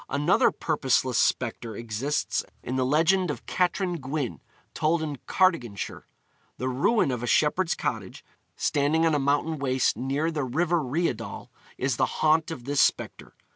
Another purposeless spectre exists in the legend of Catrin Gwyn, told in Cardiganshire. The ruin of a shepherd's cottage, standing on a mountain waste near the river Rheidol, is the haunt of this spectre.